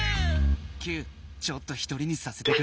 キューちょっと１人にさせてくれ。